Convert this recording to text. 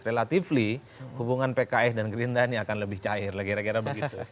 relatifly hubungan pks dan gerindra ini akan lebih cair lah kira kira begitu